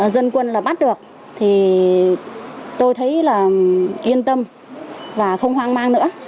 dân quân là bắt được thì tôi thấy là yên tâm và không hoang mang nữa